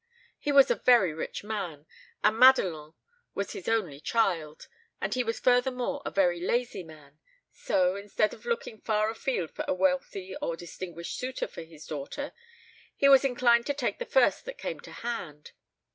He was a very rich man, and Madelon was his only child, and he was furthermore a very lazy man; so, instead of looking far afield for a wealthy or distinguished suitor for his daughter, he was inclined to take the first that came to hand.